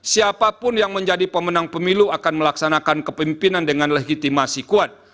siapapun yang menjadi pemenang pemilu akan melaksanakan kepimpinan dengan legitimasi kuat